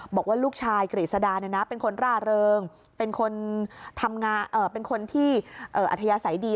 บอกว่าลูกชายกริสดาเป็นคนร่าเริงเป็นคนที่อัธยาศัยดี